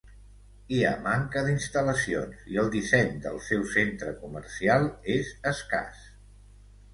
Hi ha manca d'instal·lacions i el disseny del seu centre comercial és escàs.